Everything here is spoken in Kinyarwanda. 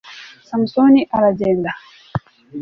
samusoni aragenda